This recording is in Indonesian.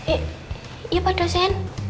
eh ya pak dosen